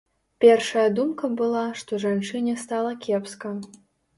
Першая думка была, што жанчыне стала кепска.